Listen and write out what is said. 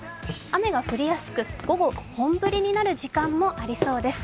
雨が降りやすく午後、本降りになる時間もありそうです。